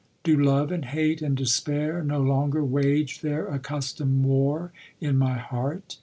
Do love, and hate, and despair, no longer wage their accustomed war in my heart?